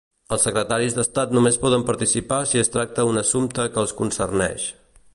Els Secretaris d'Estat només poden participar si es tracta un assumpte que els concerneix.